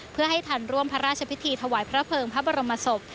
เพื่อให้ทันร่วมพระราชพิธีถวายพระเภิงพระบรมศพ